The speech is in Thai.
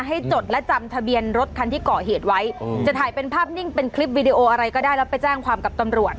จดและจำทะเบียนรถคันที่เกาะเหตุไว้จะถ่ายเป็นภาพนิ่งเป็นคลิปวีดีโออะไรก็ได้แล้วไปแจ้งความกับตำรวจ